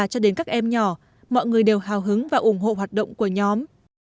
cho đến các em nhỏ mọi người đều hào hứng và ủng hộ hoạt động của nhóm